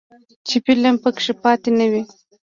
چې فلم پکې پاتې نه وي.